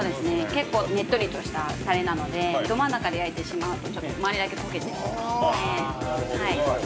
結構ねっとりとしたタレなのでど真ん中で焼いてしまうとちょっと周りだけ焦げてしまうので。